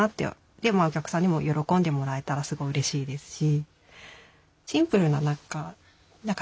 でお客さんにも喜んでもらえたらすごいうれしいですし。